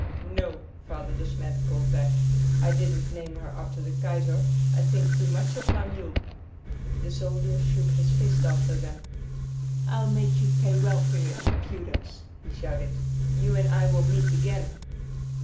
"No," Father De Smet called back, "I didn't name her after the Kaiser. I think too much of my mule!" The soldier shook his fist after them. "I'll make you pay well for your impudence!" he shouted. "You and I will meet again!"